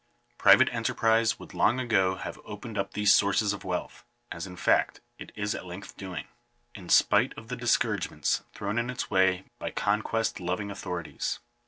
Private enterprise would long ago have opened up these sources of wealth, as in fact it is at length doing, in spite of the discouragements thrown in its way by conquest loving authorities.